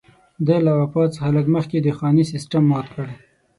ده له خپل وفات څخه لږ مخکې د خاني سېسټم مات کړ.